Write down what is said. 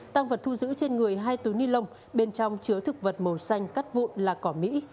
tăng vật thu giữ trên người hai túi ni lông bên trong chứa thực vật màu xanh cắt vụn là cỏ mỹ